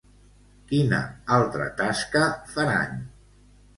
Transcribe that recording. Quina altra tasca faran?